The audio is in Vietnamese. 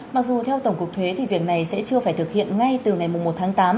mặc dù theo tổng cục thuế thì việc này sẽ chưa phải thực hiện ngay từ ngày một tháng tám